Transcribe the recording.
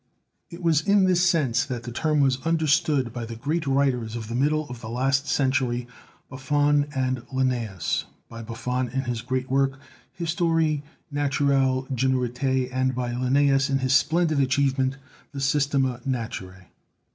It was in this sense that the term was understood by the great writers of the middle of the last century, Buffon and Linnaeus, by Buffon in his great work, the 'Histoire Naturelle Generate/ and by 4 BIOLOGY Linnaeus in his splendid achievement, the "Systema Naturae."